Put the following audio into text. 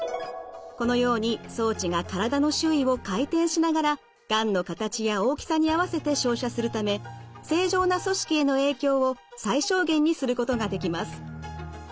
このように装置が体の周囲を回転しながらがんの形や大きさに合わせて照射するため正常な組織への影響を最小限にすることができます。